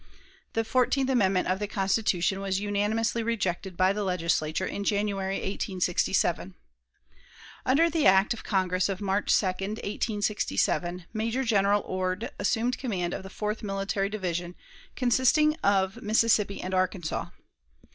The fourteenth amendment of the Constitution was unanimously rejected by the Legislature in January, 1867. Under the act of Congress of March 2, 1867, Major General Ord assumed command of the Fourth Military Division, consisting of Mississippi and Arkansas.